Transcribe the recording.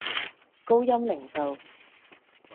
高鑫零售